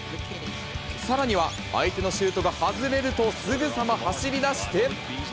さらには、相手のシュートが外れると、すぐさま走り出して。